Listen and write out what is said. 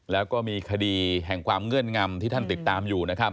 แล้วก็มีคดีแห่งความเงื่อนงำที่ท่านติดตามอยู่นะครับ